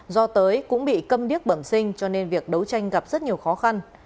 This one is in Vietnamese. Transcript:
do tới cũng bị cầm điếc bẩm sinh cho nên việc đấu tranh gặp rất nhiều khó khăn